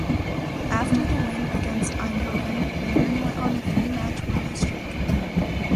After the win against Eindhoven, Bayern went on a three match winless streak.